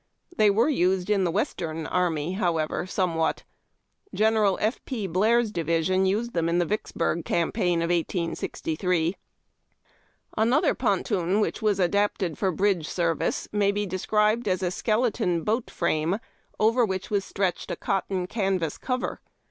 They were used in the western army, however, somewhat. General F. P. Blair s division used them in the Vicksburg campaign of 18(33. Another ponton which was adopted for bridge service may be described as a skeleton boat frame, over which was stretched a cotton canvas cover.